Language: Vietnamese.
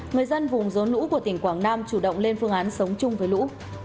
người dân vùng rốn lũ của tỉnh quảng nam chủ động lên phương án sống chung với lũ